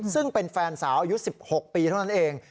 ซึ่งเป็นแฟนสาวอายุ๑๖ปีเท่านั้นเอง